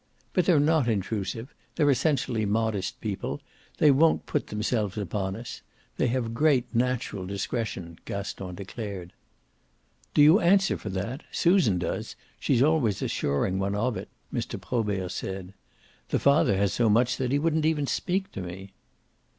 But they're not intrusive; they're essentially modest people; they won't put themselves upon us. They have great natural discretion," Gaston declared. "Do you answer for that? Susan does; she's always assuring one of it," Mr. Probert said. "The father has so much that he wouldn't even speak to me."